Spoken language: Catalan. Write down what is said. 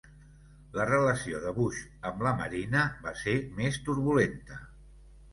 La relació de Bush amb la marina va ser més turbulenta.